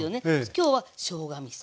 今日はしょうがみそ。